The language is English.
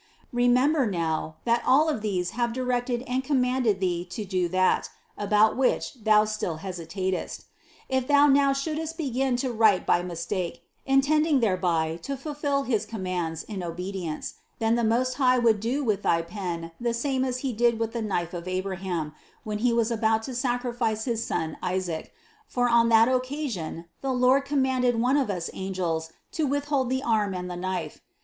Remember now, that all of these have directed and commanded thee to do that, about which thou still hesitatest; if thou now shouldst begin to write by mistake, intending thereby to fulfill his commands in obedience, then the Most High would do with thy pen the same as He did with the knife of Abraham, when he was about to sacrifice his son Isaac, for on that occasion the Lord commanded one of us angels to withhold the arm and the knife.